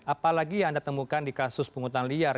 apalagi yang anda temukan di kasus penghutang liar